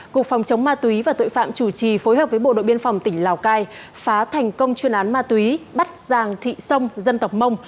cục phòng chống ma túy và tội phạm chủ trì phối hợp với bộ đội biên phòng tỉnh lào cai phá thành công chuyên án ma túy bắt giàng thị sông dân tộc mông